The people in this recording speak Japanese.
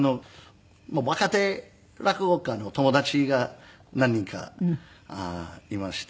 若手落語家の友達が何人かいまして。